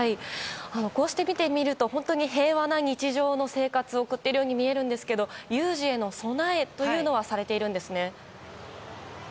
こうして見てみると本当に平和な日常の生活を送っているように見えるんですが有事への備えというのはされているんですね。